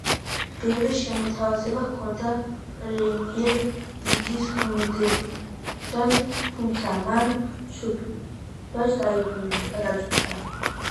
ბევრი შეთავაზება ჰქონდა პრემიერ ლიგის გუნდებიდან, თუმცა მან სამშობლოში დაბრუნება გადაწყვიტა.